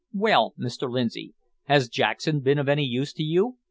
"Well, Mr Lindsay, has Jackson been of any use to you?"